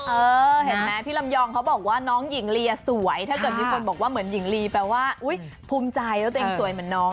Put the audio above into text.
เออเห็นไหมพี่ลำยองเขาบอกว่าน้องหญิงลีสวยถ้าเกิดมีคนบอกว่าเหมือนหญิงลีแปลว่าภูมิใจแล้วตัวเองสวยเหมือนน้อง